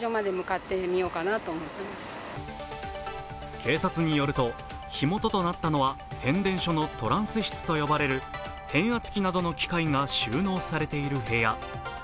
警察によると、火元となったのは変電所のトランス室と呼ばれる変圧器などの機械が収納されている部屋。